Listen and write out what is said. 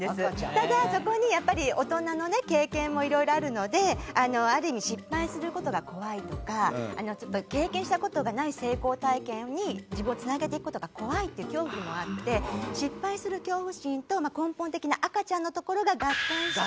ただそこにやっぱり大人の経験も色々あるのである意味失敗する事が怖いとかちょっと経験した事がない成功体験に自分を繋げていく事が怖いという恐怖もあって失敗する恐怖心と根本的な赤ちゃんのところが合体して。